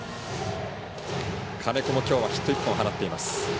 金子、きょうヒットを１本、放っています。